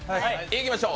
いきましょう。